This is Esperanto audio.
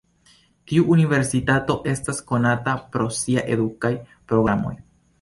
Tiu universitato estas konata pro sia edukaj programoj.